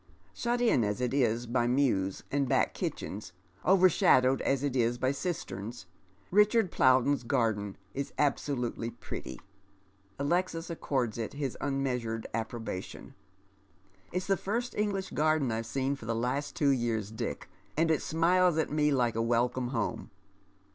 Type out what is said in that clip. Shut in as it is by mews and back kitchens, — overshadowed as it is by cisterns — Richard Plowden's gai den is absolutely pretty. Alexis accords it his onmeasured approbation. " It's the first English garden I've seen for the last two year», Dick, and it (smiles at me like a welcome home.